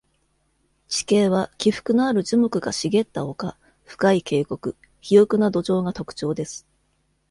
地形は起伏のある樹木が茂った丘、深い渓谷、肥沃な土壌が特徴です。